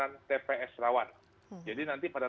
dan tps rawan jadi nanti pada